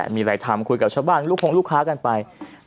มีอะไรทำคุยกับชาวบ้านลูกคงลูกค้ากันไป